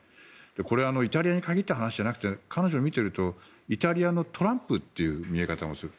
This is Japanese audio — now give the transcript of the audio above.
これはイタリアに限った話ではなくて彼女を見ているとイタリアのトランプっていう見え方もする。